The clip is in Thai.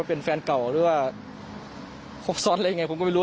เป็นแฟนเก่าหรือว่าครบซ้อนอะไรยังไงผมก็ไม่รู้